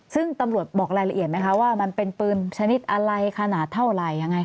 ซึ่งตำรวจบอกรายละเอียดไหมคะว่ามันเป็นปืนชนิดอะไรขนาดเท่าไหร่ยังไง